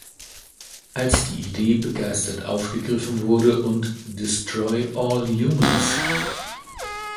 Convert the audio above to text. Als die Idee begeistert aufgegriffen wurde und "Destroy All Humans!